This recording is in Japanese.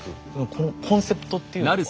このコンセプトっていうのは。